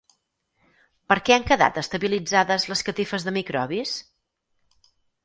Per què han quedat estabilitzades les catifes de microbis?